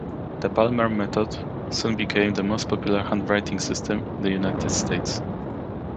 The Palmer Method soon became the most popular handwriting system in the United States.